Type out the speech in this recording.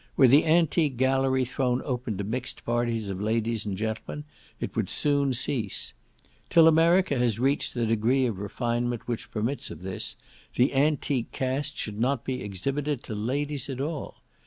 Were the antique gallery thrown open to mixed parties of ladies and gentlemen, it would soon cease. Till America has reached the degree of refinement which permits of this, the antique casts should not be exhibited to ladies at all.